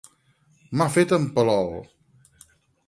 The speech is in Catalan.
M'ha fet en Palol.